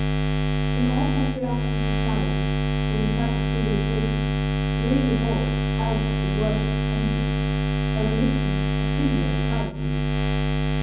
In all patriarchal societies with a settled civilization, there is evolved, out of the worship of ancestors, a Religion of Filial Piety.